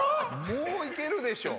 もう行けるでしょ！